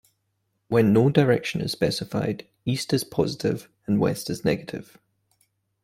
When no direction is specified, east is positive and west is negative.